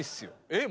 えっ？